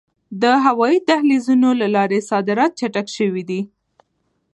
د هوایي دهلیزونو له لارې صادرات چټک شوي دي.